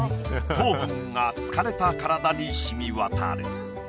糖分が疲れた体に染み渡る。